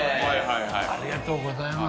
ありがとうございます。